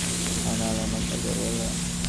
নাহয় হল আমার কাজের অবহেলা।